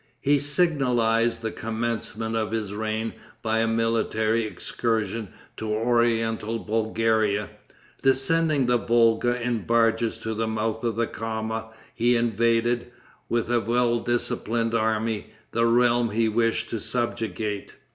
He signalized the commencement of his reign by a military excursion to oriental Bulgaria. Descending the Volga in barges to the mouth of the Kama, he invaded, with a well disciplined army, the realm he wished to subjugate.